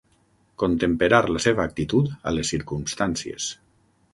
Contemperar la seva actitud a les circumstàncies.